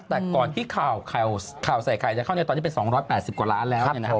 แต่ก่อนที่ข่าวใส่ไข่จะเข้าตอนนี้เป็น๒๘๐กว่าล้านแล้ว